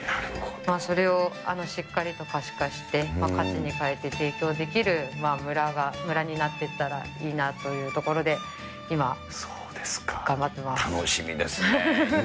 それをしっかりと可視化して、価値に変えて提供できる村になっていったらいいなというところで、楽しみですね。